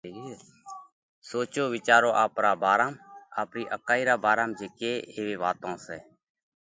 سوچو، وِيچارو آپرا ڀارام، آپرِي اڪائِي را ڀارام جي ڪي ايوي واتون سئہ